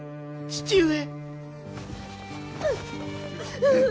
父上！